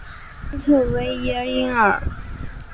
丰特维耶伊尔。